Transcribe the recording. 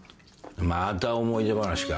また思い出話か。